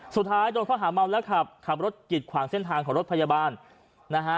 สุดท้ายโดนข้อหาเมาแล้วขับขับรถกิดขวางเส้นทางของรถพยาบาลนะฮะ